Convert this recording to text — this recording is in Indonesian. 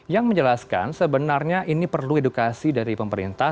yang menjelaskan sebenarnya ini perlu edukasi dari pemerintah